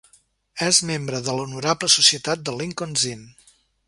És membre de l'honorable societat de Lincon's Inn.